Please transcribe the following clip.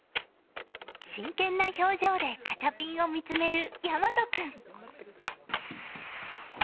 真剣な表情でガチャピンを見つめる大和君。